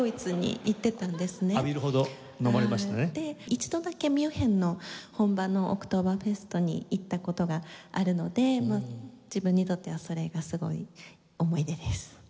一度だけミュンヘンの本場のオクトーバーフェストに行った事があるので自分にとってはそれがすごい思い出です。